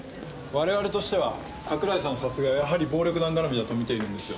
我々としては加倉井さん殺害はやはり暴力団絡みだと見ているんですよ。